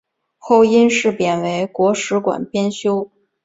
后因事贬为国史馆编修。